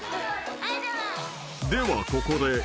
ではここで］